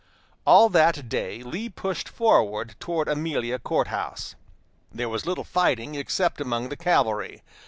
All that day Lee pushed forward toward Amelia Court House. There was little fighting except among the cavalry.